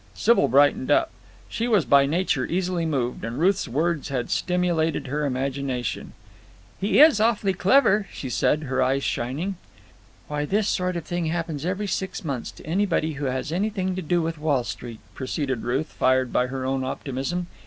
Sybil brightened up. She was by nature easily moved, and Ruth's words had stimulated her imagination. "He is awfully clever," she said, her eyes shining. "Why, this sort of thing happens every six months to anybody who has anything to do with Wall Street," proceeded Ruth, fired by her own optimism.